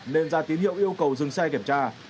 nên ra tín hiệu yêu cầu dừng xe kiểm tra